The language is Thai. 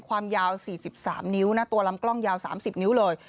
ความยาว๔๓นิ้วนะตัวลำกล้องยาว๓๐นิ้วเลย